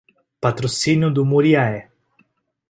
Patrocínio do Muriaé